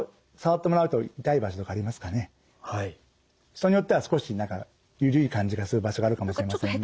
人によっては少し何か緩い感じがする場所があるかもしれませんが。